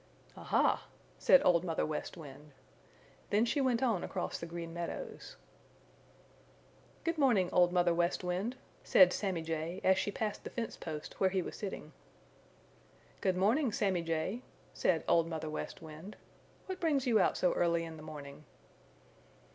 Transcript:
"Aha!" said Old Mother West Wind. Then she went on across the Green Meadows. "Good morning, Old Mother West Wind," said Sammy Jay as she passed the fence post where he was sitting. "Good morning, Sammy Jay," said Old Mother West Wind. "What brings you out so early in the morning?"